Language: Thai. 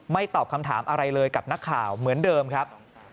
ตอบคำถามอะไรเลยกับนักข่าวเหมือนเดิมครับ